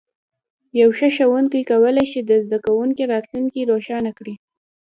یو ښه ښوونکی کولی شي د زده کوونکي راتلونکی روښانه کړي.